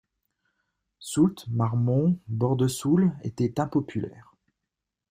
Soult, Marmont, Bordesoulle étaient impopulaires.